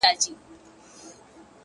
ستا خالونه مي ياديږي ورځ تېرېږي ـ